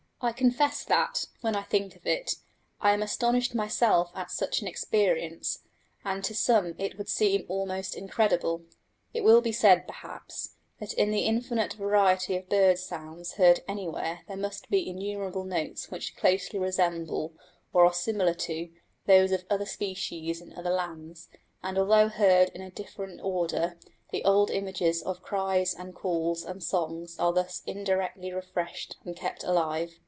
I confess that, when I think of it, I am astonished myself at such an experience, and to some it must seem almost incredible. It will be said, perhaps, that in the infinite variety of bird sounds heard anywhere there must be innumerable notes which closely resemble, or are similar to, those of other species in other lands, and, although heard in a different order, the old images of cries and calls and songs are thus indirectly refreshed and kept alive.